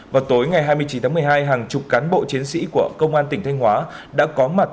vào tối ngày hai mươi chín tháng một mươi hai hàng chục cán bộ chiến sĩ của công an tỉnh thanh hóa đã có mặt